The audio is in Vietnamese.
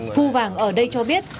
phu vàng ở đây cho biết